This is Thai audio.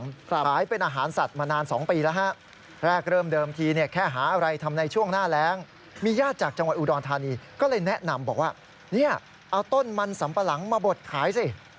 ก็เลยแนะนำบอกว่านี่เอาต้นมันสำปะหลังมาบดขายสิ